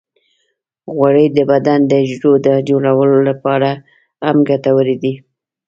غوړې د بدن د حجرو د جوړولو لپاره هم ګټورې دي.